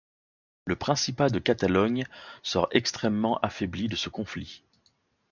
Le Principat de Catalogne sort extrêmement affaiblie de ce conflit.